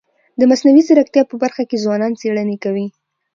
د مصنوعي ځیرکتیا په برخه کي ځوانان څيړني کوي.